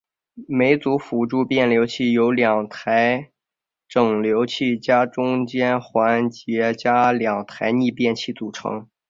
每组辅助变流器由两台整流器加中间环节加两台逆变器组成。